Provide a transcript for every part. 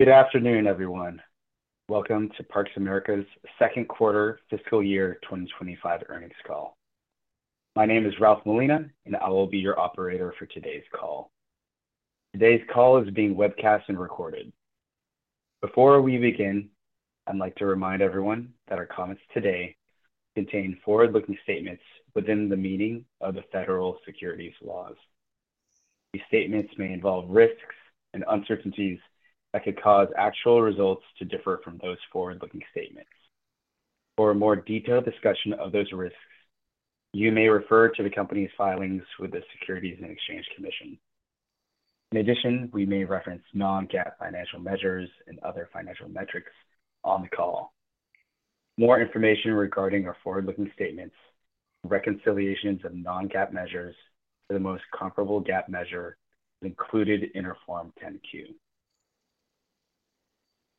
Good afternoon, everyone. Welcome to Parks! America's second quarter fiscal year 2025 earnings call. My name is Ralph Molina, and I will be your operator for today's call. Today's call is being webcast and recorded. Before we begin, I'd like to remind everyone that our comments today contain forward-looking statements within the meaning of the federal securities laws. These statements may involve risks and uncertainties that could cause actual results to differ from those forward-looking statements. For a more detailed discussion of those risks, you may refer to the company's filings with the Securities and Exchange Commission. In addition, we may reference non-GAAP financial measures and other financial metrics on the call. More information regarding our forward-looking statements, reconciliations of non-GAAP measures for the most comparable GAAP measure included in our Form 10-Q.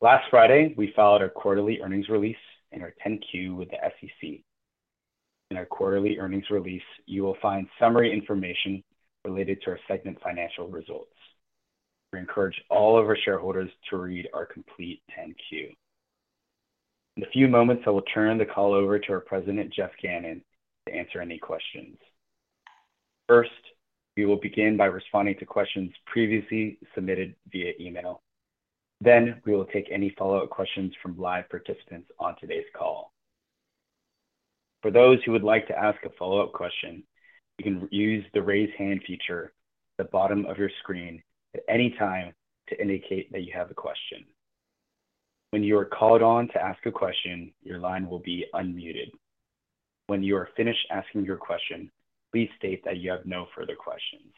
Last Friday, we filed our quarterly earnings release and our 10-Q with the SEC. In our quarterly earnings release, you will find summary information related to our segment financial results. We encourage all of our shareholders to read our complete 10-Q. In a few moments, I will turn the call over to our President, Geoff Gannon, to answer any questions. First, we will begin by responding to questions previously submitted via email. Next, we will take any follow-up questions from live participants on today's call. For those who would like to ask a follow-up question, you can use the raise hand feature at the bottom of your screen at any time to indicate that you have a question. When you are called on to ask a question, your line will be unmuted. When you are finished asking your question, please state that you have no further questions.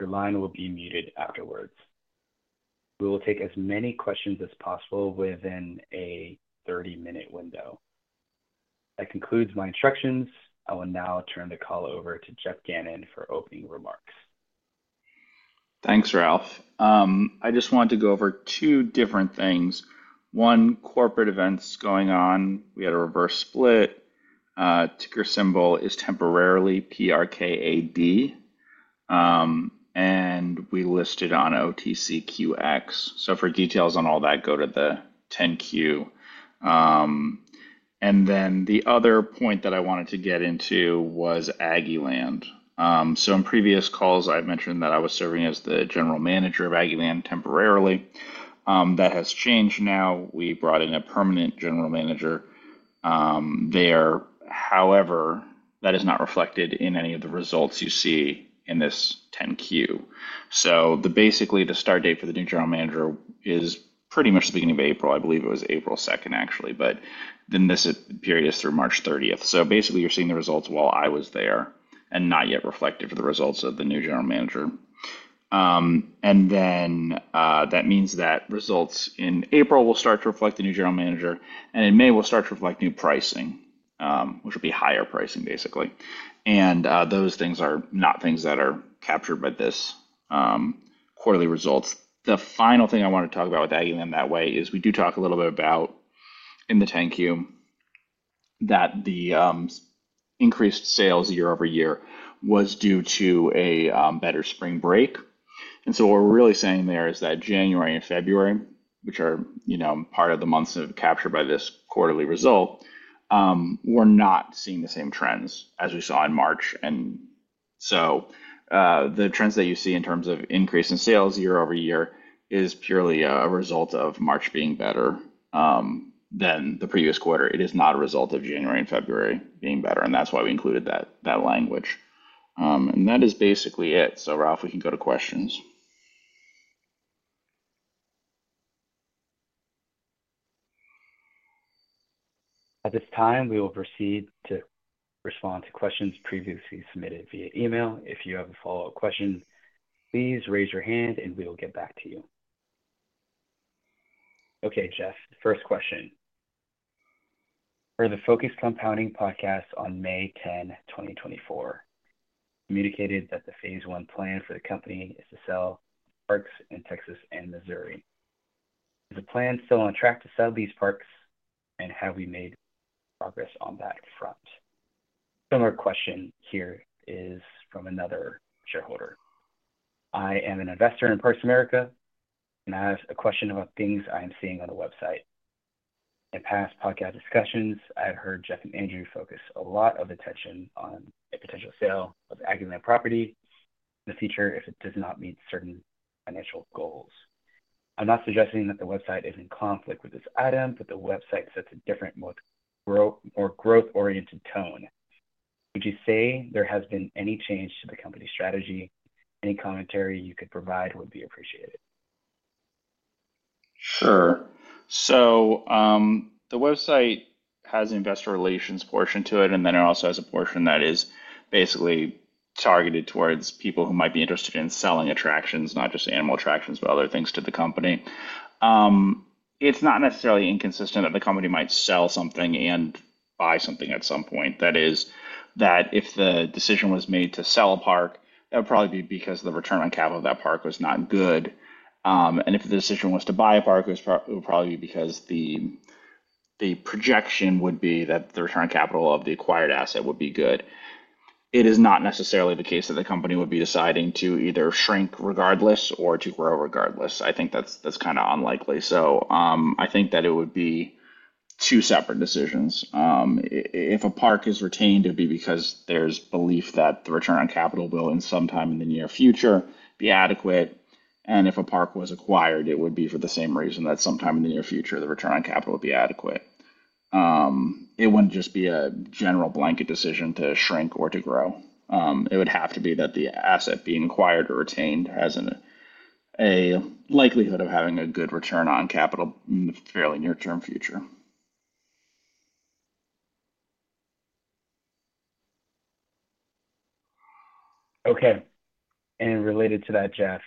Your line will be muted afterwards. We will take as many questions as possible within a 30-minute window. That concludes my instructions. I will now turn the call over to Geoff Gannon for opening remarks. Thanks, Ralph. I just wanted to go over two different things. One, corporate events going on. We had a reverse split. Ticker symbol is temporarily PRKAD, and we listed on OTCQX. For details on all that, go to the 10-Q. The other point that I wanted to get into was Aggieland. In previous calls, I have mentioned that I was serving as the general manager of Aggieland temporarily. That has changed now. We brought in a permanent general manager there. However, that is not reflected in any of the results you see in this 10-Q. Basically, the start date for the new general manager is pretty much the beginning of April. I believe it was April 2nd, actually, but this period is through March 30th. Basically, you're seeing the results while I was there and not yet reflected for the results of the new general manager. That means that results in April will start to reflect the new general manager, and in May will start to reflect new pricing, which will be higher pricing, basically. Those things are not things that are captured by this quarterly results. The final thing I wanted to talk about with Aggieland that way is we do talk a little bit about in the 10-Q that the increased sales year-over-year was due to a better spring break. What we're really saying there is that January and February, which are part of the months that are captured by this quarterly result, were not seeing the same trends as we saw in March. The trends that you see in terms of increase in sales year-over-year is purely a result of March being better than the previous quarter. It is not a result of January and February being better. That is why we included that language. That is basically it. Ralph, we can go to questions. At this time, we will proceed to respond to questions previously submitted via email. If you have a follow-up question, please raise your hand, and we will get back to you. Okay, Geoff, first question. For the Focus Compounding podcast on May 10, 2024, you communicated that the phase one plan for the company is to sell parks in Texas and Missouri. Is the plan still on track to sell these parks, and have we made progress on that front? Similar question here is from another shareholder. I am an investor in Parks! America, and I have a question about things I am seeing on the website. In past podcast discussions, I have heard Geoff and Andrew focus a lot of attention on a potential sale of Aggieland property in the future if it does not meet certain financial goals. I'm not suggesting that the website is in conflict with this item, but the website sets a different, more growth-oriented tone. Would you say there has been any change to the company strategy? Any commentary you could provide would be appreciated. Sure. The website has an investor relations portion to it, and then it also has a portion that is basically targeted towards people who might be interested in selling attractions, not just animal attractions, but other things to the company. It is not necessarily inconsistent that the company might sell something and buy something at some point. That is, that if the decision was made to sell a park, that would probably be because the return on capital of that park was not good. If the decision was to buy a park, it would probably be because the projection would be that the return on capital of the acquired asset would be good. It is not necessarily the case that the company would be deciding to either shrink regardless or to grow regardless. I think that's kind of unlikely. I think that it would be two separate decisions. If a park is retained, it would be because there's belief that the return on capital will, in some time in the near future, be adequate. If a park was acquired, it would be for the same reason that sometime in the near future, the return on capital would be adequate. It wouldn't just be a general blanket decision to shrink or to grow. It would have to be that the asset being acquired or retained has a likelihood of having a good return on capital in the fairly near-term future. Okay. Related to that, Geoff,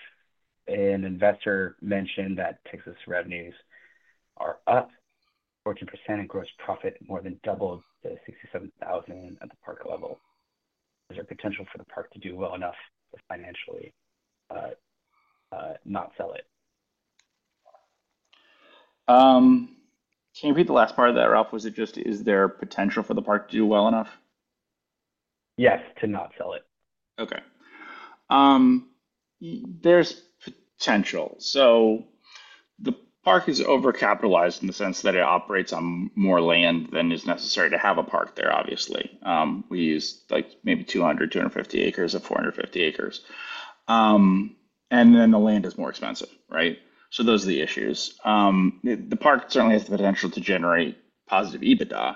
an investor mentioned that Texas revenues are up 14% and gross profit more than double the $67,000 at the park level. Is there potential for the park to do well enough to financially not sell it? Can you repeat the last part of that, Ralph? Was it just, is there potential for the park to do well enough? Yes, to not sell it. Okay. There's potential. The park is over-capitalized in the sense that it operates on more land than is necessary to have a park there, obviously. We use maybe 200-250 acres of 450 acres. And then the land is more expensive, right? Those are the issues. The park certainly has the potential to generate positive EBITDA.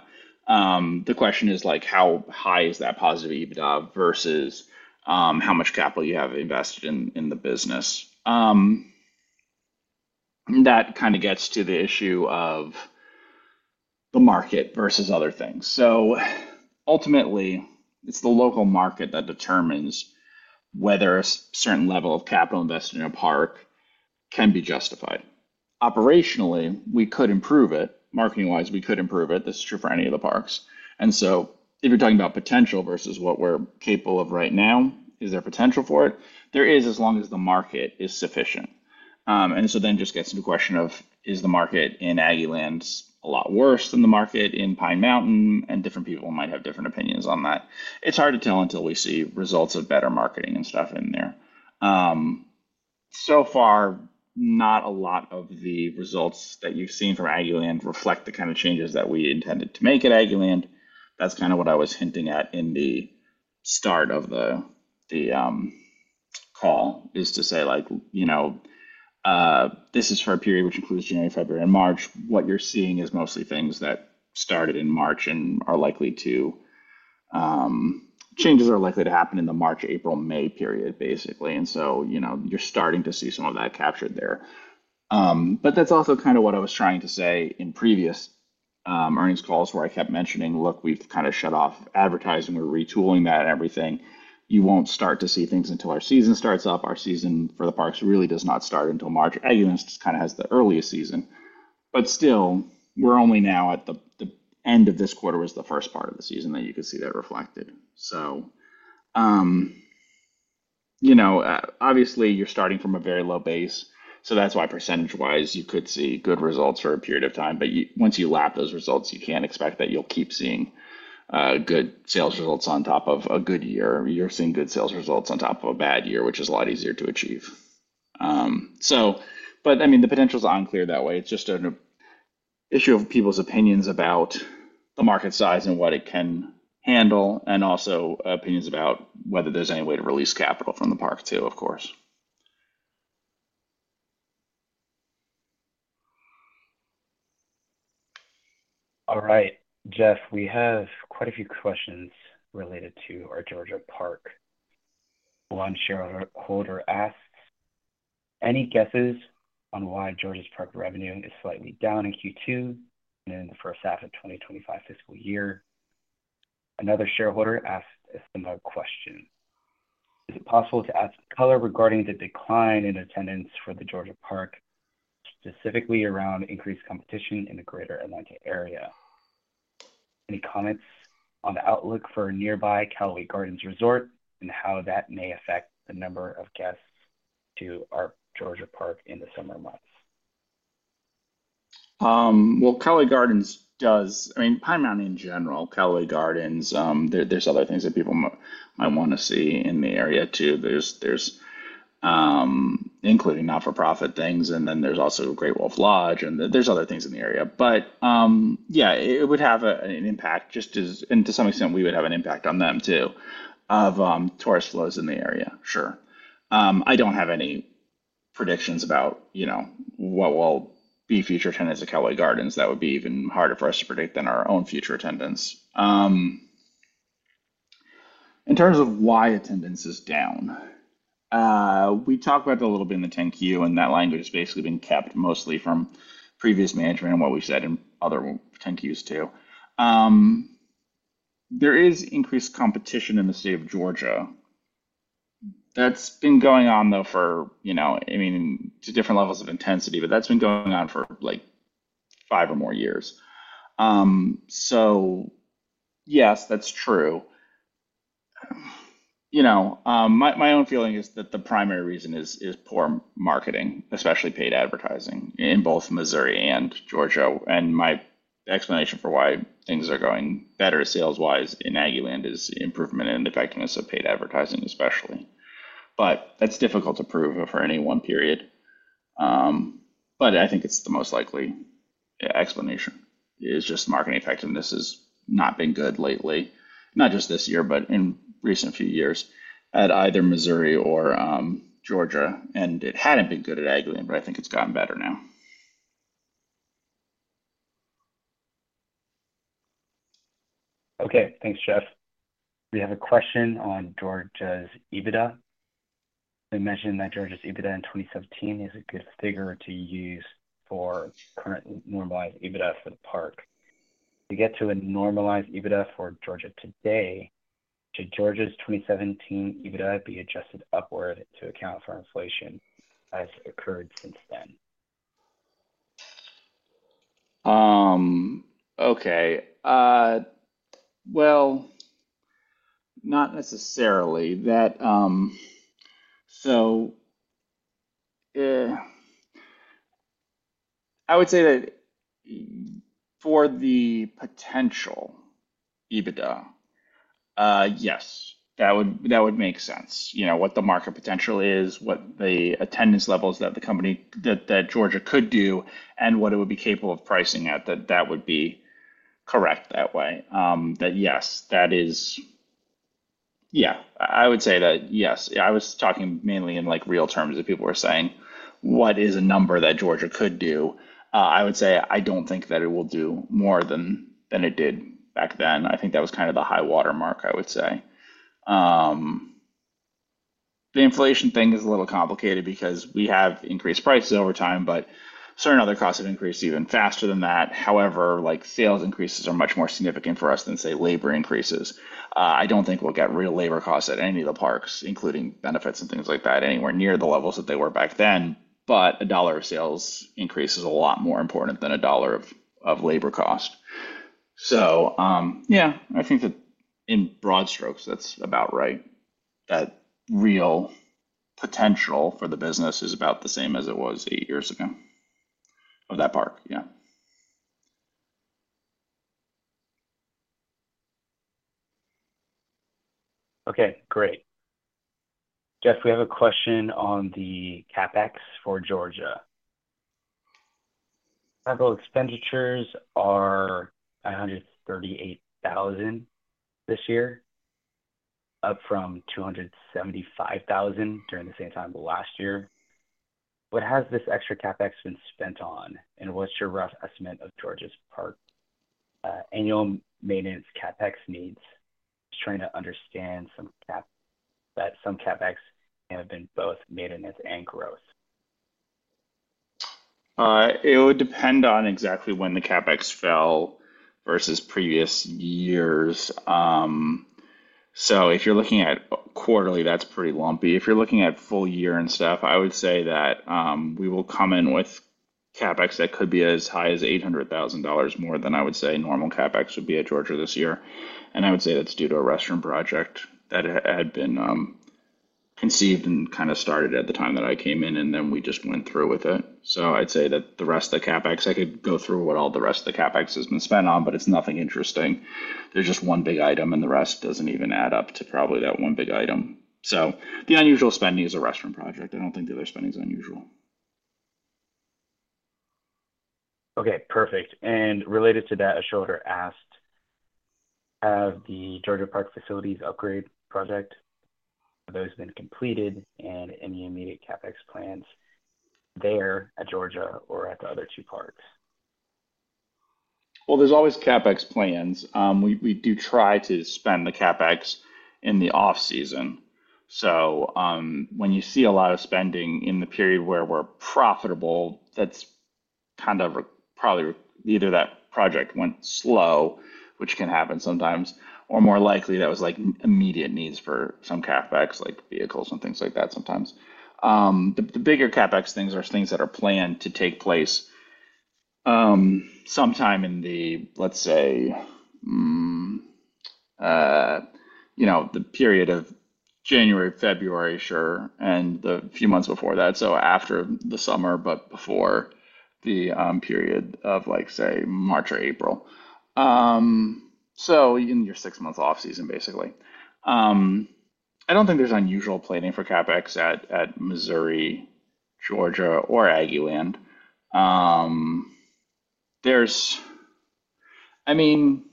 The question is, how high is that positive EBITDA versus how much capital you have invested in the business? That kind of gets to the issue of the market versus other things. Ultimately, it is the local market that determines whether a certain level of capital invested in a park can be justified. Operationally, we could improve it. Marketing-wise, we could improve it. This is true for any of the parks. If you are talking about potential versus what we are capable of right now, is there potential for it? There is as long as the market is sufficient. Then it just gets into the question of, is the market in Aggieland a lot worse than the market in Pine Mountain? Different people might have different opinions on that. It's hard to tell until we see results of better marketing and stuff in there. So far, not a lot of the results that you've seen from Aggieland reflect the kind of changes that we intended to make at Aggieland. That's kind of what I was hinting at in the start of the call, to say, this is for a period which includes January, February, and March. What you're seeing is mostly things that started in March and changes are likely to happen in the March, April, May period, basically. You're starting to see some of that captured there. That is also kind of what I was trying to say in previous earnings calls where I kept mentioning, look, we have kind of shut off advertising. We are retooling that and everything. You will not start to see things until our season starts up. Our season for the parks really does not start until March. Aggieland kind of has the earliest season. Still, only now at the end of this quarter was the first part of the season that you could see that reflected. Obviously, you are starting from a very low base. That is why percentage-wise, you could see good results for a period of time. Once you lap those results, you cannot expect that you will keep seeing good sales results on top of a good year. You are seeing good sales results on top of a bad year, which is a lot easier to achieve. I mean, the potential is unclear that way. It's just an issue of people's opinions about the market size and what it can handle, and also opinions about whether there's any way to release capital from the park too, of course. All right. Geoff, we have quite a few questions related to our Georgia park. One shareholder asks, "Any guesses on why Georgia's park revenue is slightly down in Q2 and in the first half of 2025 fiscal year?" Another shareholder asks a similar question, "Is it possible to ask color regarding the decline in attendance for the Georgia park, specifically around increased competition in the greater Atlanta area? Any comments on the outlook for nearby Callaway Gardens Resort and how that may affect the number of guests to our Georgia park in the summer months? Cowley Gardens does, I mean, Pine Mountain in general, Cowley Gardens, there are other things that people might want to see in the area too. There is including not-for-profit things, and then there is also Great Wolf Lodge, and there are other things in the area. Yeah, it would have an impact just as, and to some extent, we would have an impact on them too, of tourist flows in the area, sure. I do not have any predictions about what will be future attendance at Cowley Gardens. That would be even harder for us to predict than our own future attendance. In terms of why attendance is down, we talked about it a little bit in the 10-Q, and that language has basically been kept mostly from previous management and what we have said in other 10-Qs too. There is increased competition in the state of Georgia. That's been going on, though, for, I mean, to different levels of intensity, but that's been going on for five or more years. Yes, that's true. My own feeling is that the primary reason is poor marketing, especially paid advertising, in both Missouri and Georgia. My explanation for why things are going better sales-wise in Aggieland is improvement in the effectiveness of paid advertising, especially. That's difficult to prove for any one period. I think it's the most likely explanation, is just marketing effectiveness has not been good lately, not just this year, but in recent few years at either Missouri or Georgia. It hadn't been good at Aggieland, but I think it's gotten better now. Okay. Thanks, Geoff. We have a question on Georgia's EBITDA. They mentioned that Georgia's EBITDA in 2017 is a good figure to use for current normalized EBITDA for the park. To get to a normalized EBITDA for Georgia today, should Georgia's 2017 EBITDA be adjusted upward to account for inflation as occurred since then? Okay. Not necessarily. I would say that for the potential EBITDA, yes, that would make sense. What the market potential is, what the attendance levels that Georgia could do, and what it would be capable of pricing at, that would be correct that way. Yes, that is, yeah, I would say that yes. I was talking mainly in real terms as people were saying, "What is a number that Georgia could do?" I would say I do not think that it will do more than it did back then. I think that was kind of the high watermark, I would say. The inflation thing is a little complicated because we have increased prices over time, but certain other costs have increased even faster than that. However, sales increases are much more significant for us than, say, labor increases. I don't think we'll get real labor costs at any of the parks, including benefits and things like that, anywhere near the levels that they were back then. A dollar of sales increase is a lot more important than a dollar of labor cost. Yeah, I think that in broad strokes, that's about right. That real potential for the business is about the same as it was eight years ago of that park. Yeah. Okay. Great. Geoff, we have a question on the CapEx for Georgia. Capital expenditures are $938,000 this year, up from $275,000 during the same time last year. What has this extra CapEx been spent on, and what's your rough estimate of Georgia's park annual maintenance CapEx needs? Just trying to understand that some CapEx may have been both maintenance and growth. It would depend on exactly when the CapEx fell versus previous years. If you're looking at quarterly, that's pretty lumpy. If you're looking at full year and stuff, I would say that we will come in with CapEx that could be as high as $800,000 more than I would say normal CapEx would be at Georgia this year. I would say that's due to a restaurant project that had been conceived and kind of started at the time that I came in, and then we just went through with it. I'd say that the rest of the CapEx, I could go through what all the rest of the CapEx has been spent on, but it's nothing interesting. There's just one big item, and the rest doesn't even add up to probably that one big item. The unusual spending is a restaurant project. I don't think the other spending is unusual. Okay. Perfect. Related to that, a shorter asked, have the Georgia Park facilities upgrade project, have those been completed, and any immediate CapEx plans there at Georgia or at the other two parks? There is always CapEx plans. We do try to spend the CapEx in the off-season. When you see a lot of spending in the period where we're profitable, that's kind of probably either that project went slow, which can happen sometimes, or more likely that was immediate needs for some CapEx, like vehicles and things like that sometimes. The bigger CapEx things are things that are planned to take place sometime in the, let's say, the period of January, February, sure, and the few months before that. After the summer, but before the period of, say, March or April. In your six-month off-season, basically. I do not think there is unusual planning for CapEx at Missouri, Georgia, or Aggieland. I mean,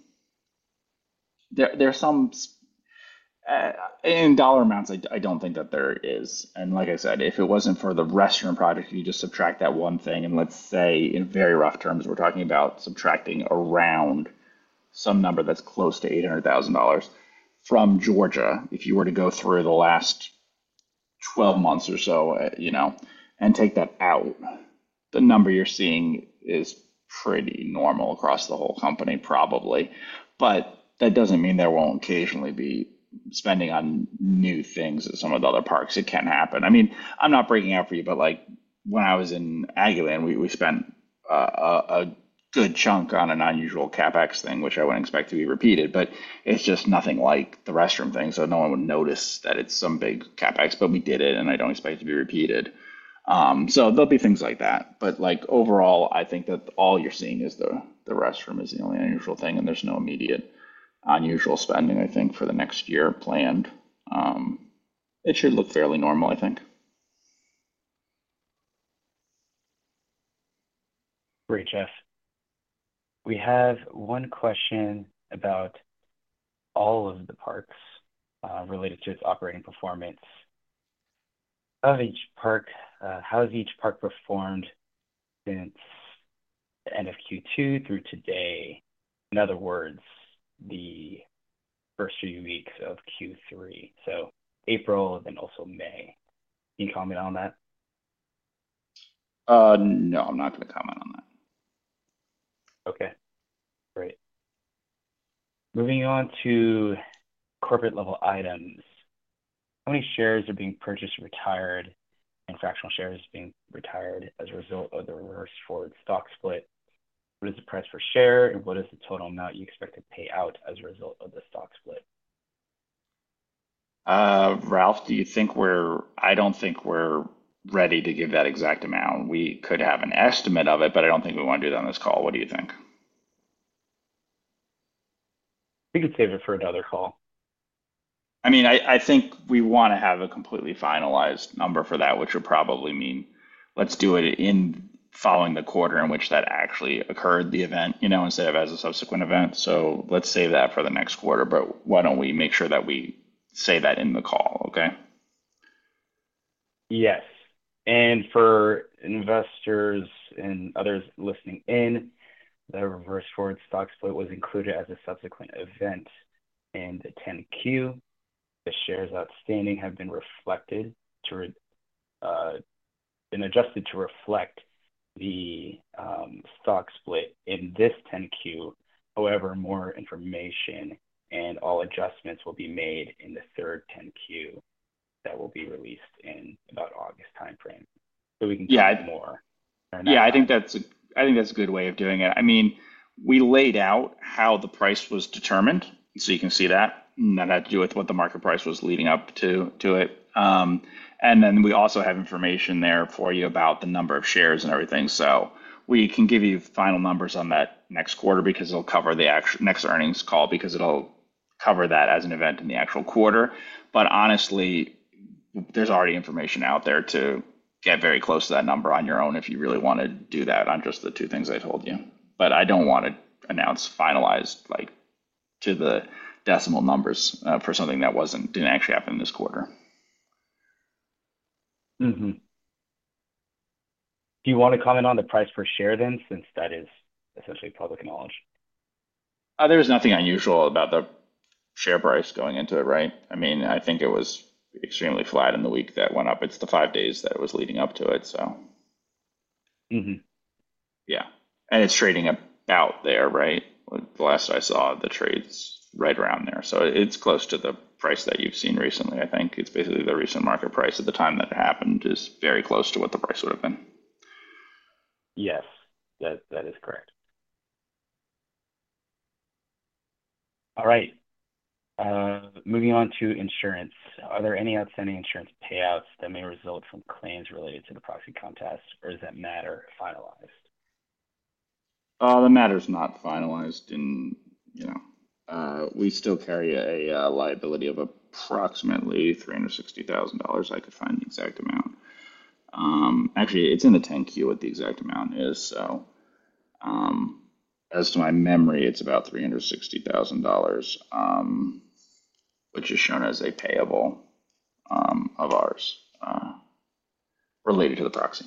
in dollar amounts, I do not think that there is. Like I said, if it was not for the restaurant project, you just subtract that one thing. Let's say, in very rough terms, we're talking about subtracting around some number that's close to $800,000 from Georgia. If you were to go through the last 12 months or so and take that out, the number you're seeing is pretty normal across the whole company, probably. That doesn't mean there won't occasionally be spending on new things at some of the other parks. It can happen. I mean, I'm not breaking out for you, but when I was in Aggieland, we spent a good chunk on an unusual CapEx thing, which I wouldn't expect to be repeated. It's just nothing like the restroom thing. No one would notice that it's some big CapEx, but we did it, and I don't expect it to be repeated. There'll be things like that. Overall, I think that all you're seeing is the restroom is the only unusual thing, and there's no immediate unusual spending, I think, for the next year planned. It should look fairly normal, I think. Great, Geoff. We have one question about all of the parks related to its operating performance. Of each park, how has each park performed since the end of Q2 through today? In other words, the first few weeks of Q3, so April, then also May. Can you comment on that? No, I'm not going to comment on that. Okay. Great. Moving on to corporate-level items. How many shares are being purchased or retired, and fractional shares being retired as a result of the reverse forward stock split? What is the price per share, and what is the total amount you expect to pay out as a result of the stock split? Ralph, do you think we're—I don't think we're ready to give that exact amount. We could have an estimate of it, but I don't think we want to do that on this call. What do you think? We could save it for another call. I mean, I think we want to have a completely finalized number for that, which would probably mean let's do it following the quarter in which that actually occurred, the event, instead of as a subsequent event. So let's save that for the next quarter, but why don't we make sure that we say that in the call, okay? Yes. For investors and others listening in, the reverse forward stock split was included as a subsequent event in the 10-Q. The shares outstanding have been reflected and adjusted to reflect the stock split in this 10-Q. However, more information and all adjustments will be made in the third 10-Q that will be released in about August timeframe. We can get more. Yeah. I think that's a good way of doing it. I mean, we laid out how the price was determined, so you can see that. That had to do with what the market price was leading up to it. And then we also have information there for you about the number of shares and everything. So we can give you final numbers on that next quarter because it'll cover the next earnings call because it'll cover that as an event in the actual quarter. Honestly, there's already information out there to get very close to that number on your own if you really want to do that on just the two things I told you. I don't want to announce finalized to the decimal numbers for something that didn't actually happen this quarter. Do you want to comment on the price per share then since that is essentially public knowledge? There was nothing unusual about the share price going into it, right? I mean, I think it was extremely flat in the week that went up. It's the five days that it was leading up to it. Yeah. It's trading about there, right? The last I saw, the trade's right around there. It's close to the price that you've seen recently, I think. It's basically the recent market price at the time that it happened is very close to what the price would have been. Yes. That is correct. All right. Moving on to insurance. Are there any outstanding insurance payouts that may result from claims related to the proxy contest, or is that matter finalized? That matter is not finalized in. We still carry a liability of approximately $360,000. I could find the exact amount. Actually, it's in the 10-Q what the exact amount is. So as to my memory, it's about $360,000, which is shown as a payable of ours related to the proxy.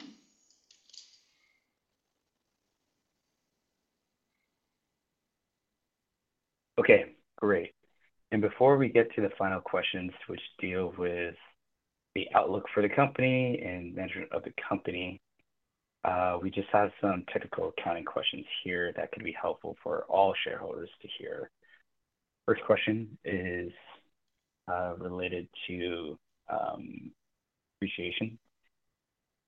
Okay. Great. Before we get to the final questions, which deal with the outlook for the company and management of the company, we just have some technical accounting questions here that could be helpful for all shareholders to hear. First question is related to depreciation.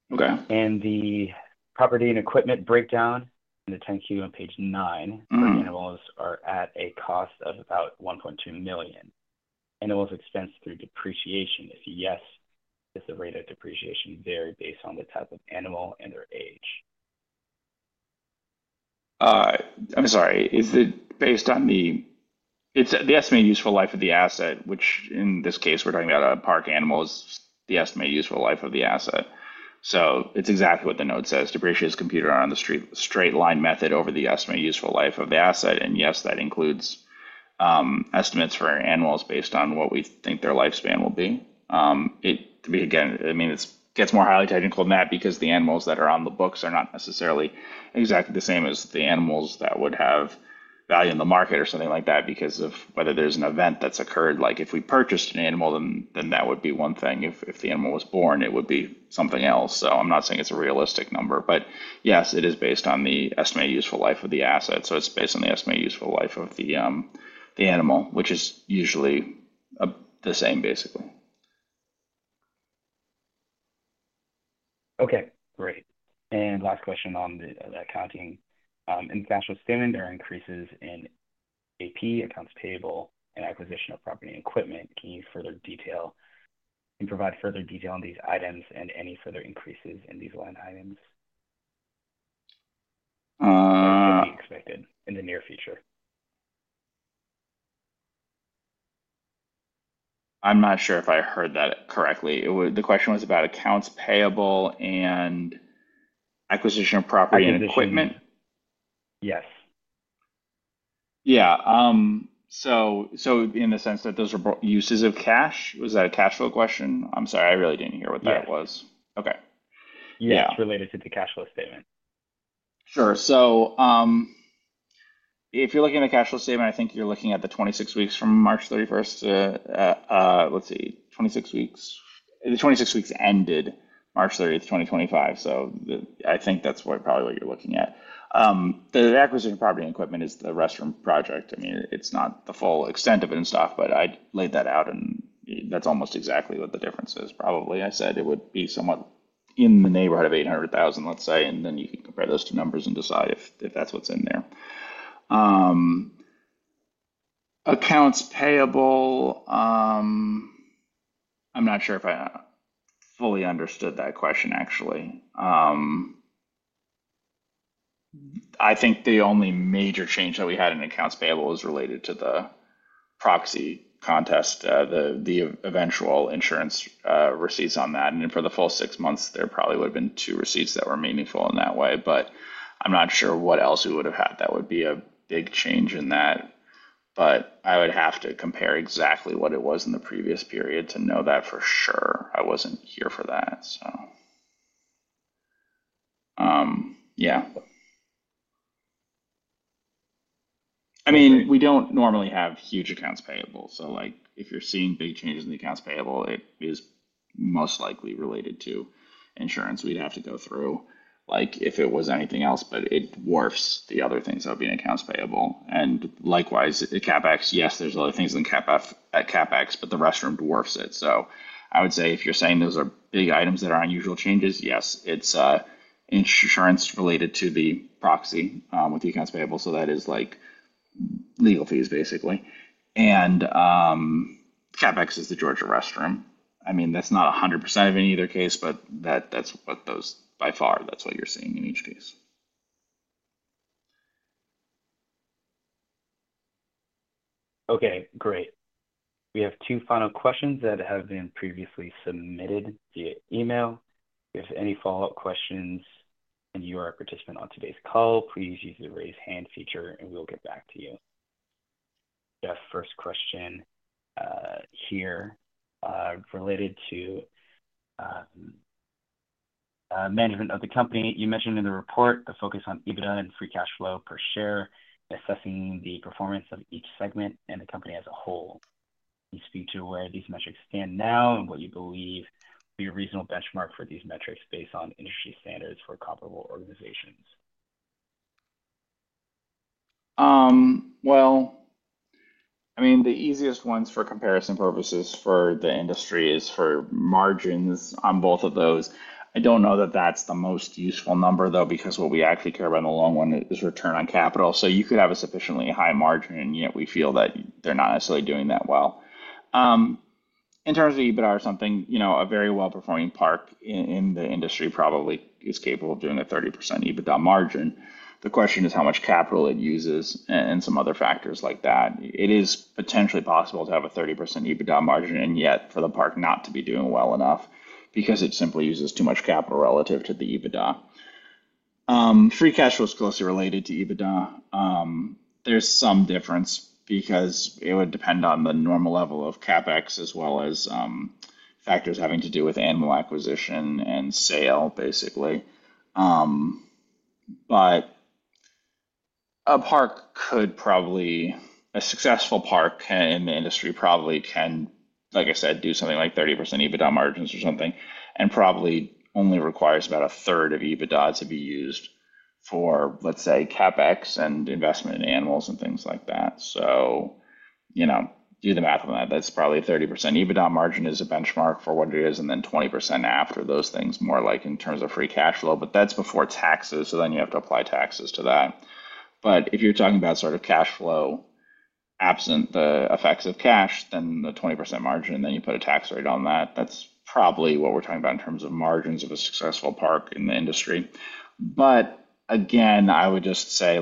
The property and equipment breakdown in the 10-Q on page 9 for animals are at a cost of about $1.2 million. Are animals expensed through depreciation, and if yes, does the rate of depreciation vary based on the type of animal and their age? I'm sorry. Is it based on the—it's the estimated useful life of the asset, which in this case, we're talking about a park animal is the estimated useful life of the asset. So it's exactly what the note says. Depreciation is computed on the straight line method over the estimated useful life of the asset. And yes, that includes estimates for animals based on what we think their lifespan will be. Again, I mean, it gets more highly technical than that because the animals that are on the books are not necessarily exactly the same as the animals that would have value in the market or something like that because of whether there's an event that's occurred. If we purchased an animal, then that would be one thing. If the animal was born, it would be something else. I'm not saying it's a realistic number. Yes, it is based on the estimated useful life of the asset. So it's based on the estimated useful life of the animal, which is usually the same, basically. Okay. Great. Last question on the accounting. In the financial statement, there are increases in AP, accounts payable, and acquisition of property and equipment. Can you further detail and provide further detail on these items and any further increases in these line items that could be expected in the near future? I'm not sure if I heard that correctly. The question was about accounts payable and acquisition of property and equipment? Yes. Yeah. In the sense that those are uses of cash? Was that a cash flow question? I'm sorry. I really didn't hear what that was. Yeah. Okay. Yeah. It's related to the cash flow statement. Sure. If you're looking at a cash flow statement, I think you're looking at the 26 weeks from March 31 to—let's see—26 weeks. The 26 weeks ended March 30, 2025. I think that's probably what you're looking at. The acquisition of property and equipment is the restroom project. I mean, it's not the full extent of it and stuff, but I laid that out, and that's almost exactly what the difference is, probably. I said it would be somewhat in the neighborhood of $800,000, let's say, and then you can compare those two numbers and decide if that's what's in there. Accounts payable, I'm not sure if I fully understood that question, actually. I think the only major change that we had in accounts payable was related to the proxy contest, the eventual insurance receipts on that. For the full six months, there probably would have been two receipts that were meaningful in that way. I'm not sure what else we would have had that would be a big change in that. I would have to compare exactly what it was in the previous period to know that for sure. I wasn't here for that, so. Yeah. I mean, we don't normally have huge accounts payable. If you're seeing big changes in the accounts payable, it is most likely related to insurance. We'd have to go through if it was anything else, but it dwarfs the other things that would be in accounts payable. Likewise, the CapEx, yes, there's other things in CapEx, but the restroom dwarfs it. I would say if you're saying those are big items that are unusual changes, yes, it's insurance related to the proxy with the accounts payable. That is legal fees, basically. CapEx is the Georgia restroom. I mean, that's not 100% of any other case, but that's what those, by far, that's what you're seeing in each case. Okay. Great. We have two final questions that have been previously submitted via email. If you have any follow-up questions and you are a participant on today's call, please use the raise hand feature, and we'll get back to you. Geoff, first question here related to management of the company. You mentioned in the report the focus on EBITDA and free cash flow per share, assessing the performance of each segment and the company as a whole. Can you speak to where these metrics stand now and what you believe will be a reasonable benchmark for these metrics based on industry standards for comparable organizations? I mean, the easiest ones for comparison purposes for the industry is for margins on both of those. I do not know that that is the most useful number, though, because what we actually care about in the long run is return on capital. You could have a sufficiently high margin, and yet we feel that they are not necessarily doing that well. In terms of EBITDA or something, a very well-performing park in the industry probably is capable of doing a 30% EBITDA margin. The question is how much capital it uses and some other factors like that. It is potentially possible to have a 30% EBITDA margin and yet for the park not to be doing well enough because it simply uses too much capital relative to the EBITDA. Free cash flow is closely related to EBITDA. There's some difference because it would depend on the normal level of CapEx as well as factors having to do with animal acquisition and sale, basically. But a park could probably—a successful park in the industry probably can, like I said, do something like 30% EBITDA margins or something and probably only requires about a third of EBITDA to be used for, let's say, CapEx and investment in animals and things like that. So do the math on that. That's probably a 30% EBITDA margin is a benchmark for what it is, and then 20% after those things, more like in terms of free cash flow. But that's before taxes, so then you have to apply taxes to that. If you're talking about sort of cash flow absent the effects of cash, then the 20% margin, and then you put a tax rate on that, that's probably what we're talking about in terms of margins of a successful park in the industry. Again, I would just say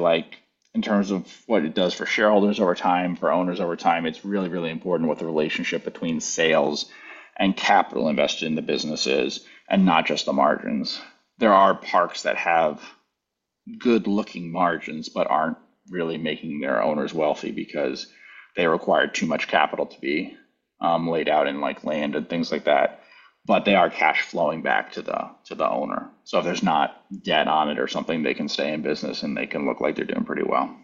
in terms of what it does for shareholders over time, for owners over time, it's really, really important what the relationship between sales and capital invested in the business is and not just the margins. There are parks that have good-looking margins but aren't really making their owners wealthy because they require too much capital to be laid out in land and things like that. They are cash flowing back to the owner. If there's not debt on it or something, they can stay in business and they can look like they're doing pretty well.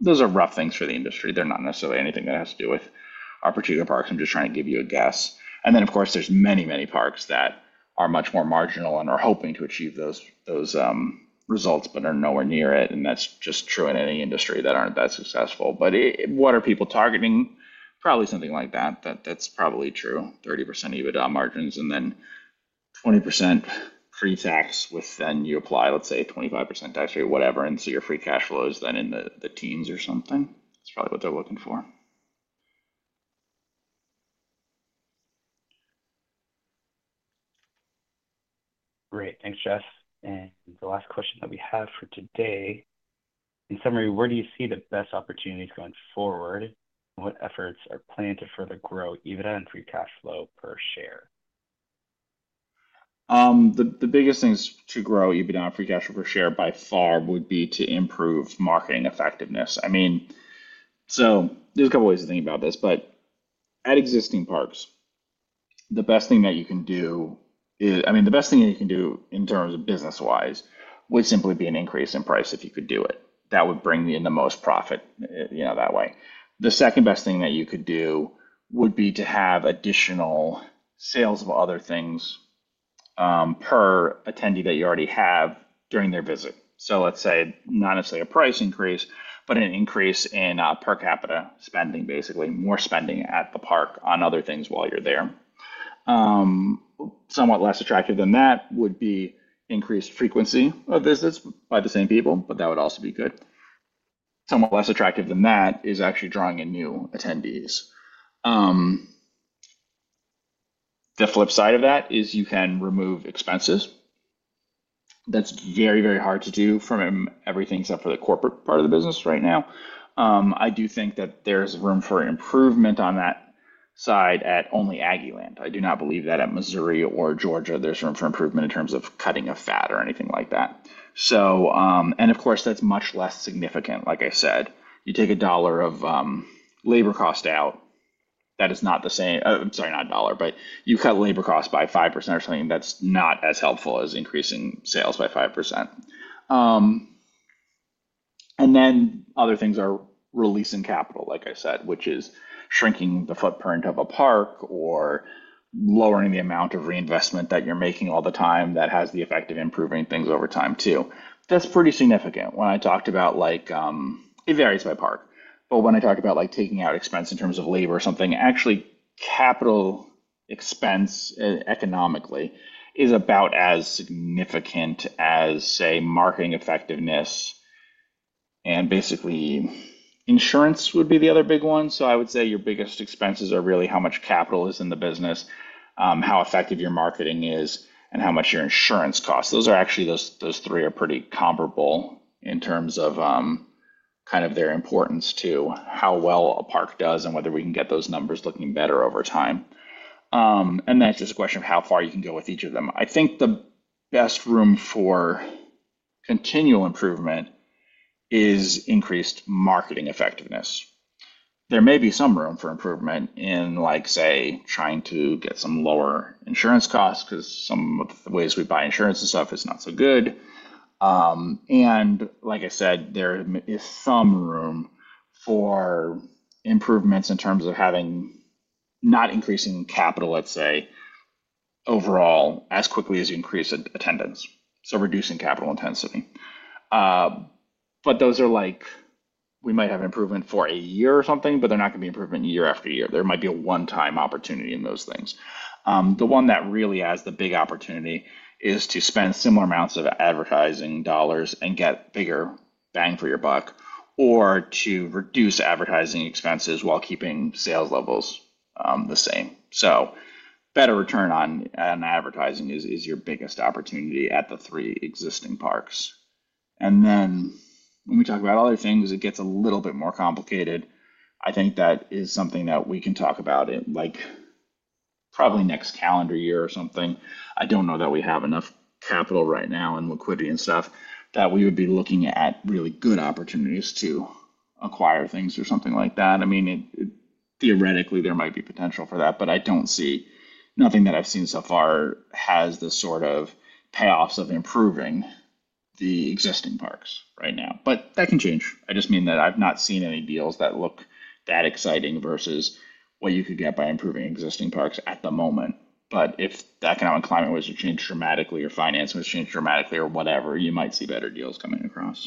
Those are rough things for the industry. They're not necessarily anything that has to do with our particular parks. I'm just trying to give you a guess. Of course, there are many, many parks that are much more marginal and are hoping to achieve those results but are nowhere near it. That's just true in any industry that aren't that successful. What are people targeting? Probably something like that. That's probably true. 30% EBITDA margins and then 20% free tax with then you apply, let's say, 25% tax rate, whatever. Your free cash flow is then in the teens or something. That's probably what they're looking for. Great. Thanks, Geoff. The last question that we have for today. In summary, where do you see the best opportunities going forward? What efforts are planned to further grow EBITDA and free cash flow per share? The biggest things to grow EBITDA and free cash flow per share by far would be to improve marketing effectiveness. I mean, so there's a couple of ways to think about this, but at existing parks, the best thing that you can do—I mean, the best thing that you can do in terms of business-wise would simply be an increase in price if you could do it. That would bring in the most profit that way. The second best thing that you could do would be to have additional sales of other things per attendee that you already have during their visit. Let's say not necessarily a price increase, but an increase in per capita spending, basically. More spending at the park on other things while you're there. Somewhat less attractive than that would be increased frequency of visits by the same people, but that would also be good. Somewhat less attractive than that is actually drawing in new attendees. The flip side of that is you can remove expenses. That is very, very hard to do from everything except for the corporate part of the business right now. I do think that there is room for improvement on that side at only Aggieland. I do not believe that at Missouri or Georgia there is room for improvement in terms of cutting fat or anything like that. Of course, that is much less significant, like I said. You take a dollar of labor cost out. That is not the same—I am sorry, not a dollar, but you cut labor cost by 5% or something. That is not as helpful as increasing sales by 5%. Other things are releasing capital, like I said, which is shrinking the footprint of a park or lowering the amount of reinvestment that you're making all the time. That has the effect of improving things over time too. That's pretty significant. When I talked about—it varies by park. When I talked about taking out expense in terms of labor or something, actually capital expense economically is about as significant as, say, marketing effectiveness. Basically, insurance would be the other big one. I would say your biggest expenses are really how much capital is in the business, how effective your marketing is, and how much your insurance costs. Those are actually—those three are pretty comparable in terms of kind of their importance to how well a park does and whether we can get those numbers looking better over time. That is just a question of how far you can go with each of them. I think the best room for continual improvement is increased marketing effectiveness. There may be some room for improvement in, say, trying to get some lower insurance costs because some of the ways we buy insurance and stuff is not so good. Like I said, there is some room for improvements in terms of not increasing capital, let's say, overall as quickly as you increase attendance. Reducing capital intensity. Those are like we might have an improvement for a year or something, but they are not going to be improving year after year. There might be a one-time opportunity in those things. The one that really has the big opportunity is to spend similar amounts of advertising dollars and get bigger bang for your buck or to reduce advertising expenses while keeping sales levels the same. Better return on advertising is your biggest opportunity at the three existing parks. When we talk about other things, it gets a little bit more complicated. I think that is something that we can talk about probably next calendar year or something. I do not know that we have enough capital right now and liquidity and stuff that we would be looking at really good opportunities to acquire things or something like that. I mean, theoretically, there might be potential for that, but I do not see—nothing that I have seen so far has the sort of payoffs of improving the existing parks right now. That can change. I just mean that I've not seen any deals that look that exciting versus what you could get by improving existing parks at the moment. If the economic climate was to change dramatically or finance was changed dramatically or whatever, you might see better deals coming across.